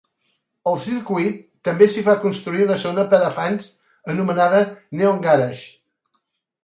Al circuit també s'hi va construir una zona per a fans anomenada Neon Garage.